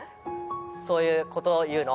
そういうことを言うの